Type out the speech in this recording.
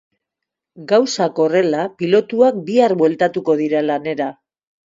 Gauzak horrela, pilotuak bihar bueltatuko dira lanera.